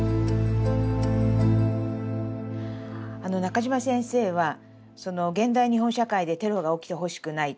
中島先生は現代日本社会でテロが起きてほしくない。